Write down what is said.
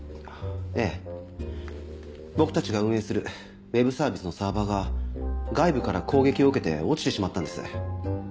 ええ僕たちが運営するウェブサービスのサーバーが外部から攻撃を受けて落ちてしまったんです。